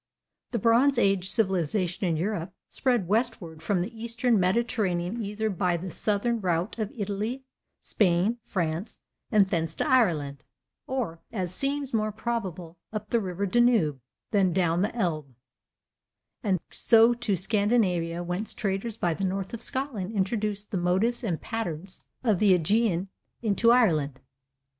The bronze age civilization in Europe spread westward from the eastern Mediterranean either by the southern route of Italy, Spain, France, and thence to Ireland, or, as seems more probable, up the river Danube, then down the Elbe, and so to Scandinavia, whence traders by the north of Scotland introduced the motives and patterns of the Aegean into Ireland.